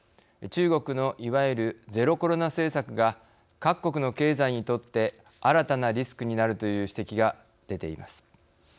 中国のいわゆるゼロコロナ政策が各国の経済にとって新たなリスクになるという指摘が出ています。